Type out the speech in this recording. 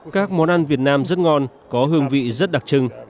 các món ăn việt nam rất ngon có hương vị rất đặc trưng